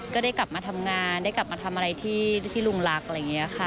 ก็ได้กลับมาทำงานได้กลับมาทำอะไรที่ลุงรักอะไรอย่างนี้ค่ะ